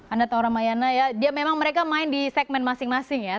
anda tahu ramayana ya dia memang mereka main di segmen masing masing ya